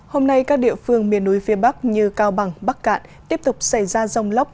hôm nay các địa phương miền núi phía bắc như cao bằng bắc cạn tiếp tục xảy ra rông lốc